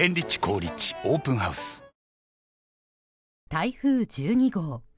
台風１２号。